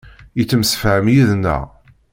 Yettemsefham yid-neɣ.